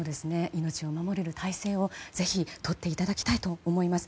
命を守れる体制をぜひとっていただきたいと思います。